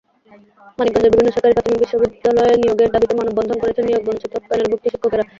মানিকগঞ্জের বিভিন্ন সরকারি প্রাথমিক বিদ্যালয়ে নিয়োগের দাবিতে মানববন্ধন করেছেন নিয়োগবঞ্চিত প্যানেলভুক্ত শিক্ষকেরা।